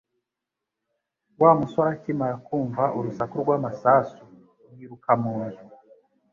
Wa musore akimara kumva urusaku rw'amasasu, yiruka mu nzu